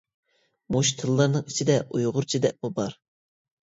مۇشۇ تىللارنىڭ ئىچىدە «ئۇيغۇرچە» دەپمۇ بار.